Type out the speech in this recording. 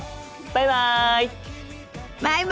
バイバイ！